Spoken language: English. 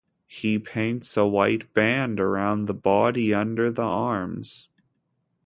He paints a white band around the body under the arms.